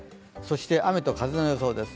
雨と風の予想です。